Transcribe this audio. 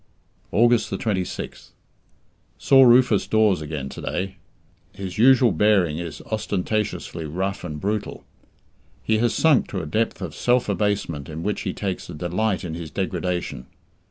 August 26th. Saw Rufus Dawes again to day. His usual bearing is ostentatiously rough and brutal. He has sunk to a depth of self abasement in which he takes a delight in his degradation.